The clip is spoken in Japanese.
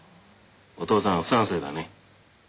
お父さんは不賛成だね」